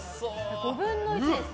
５分の１ですね。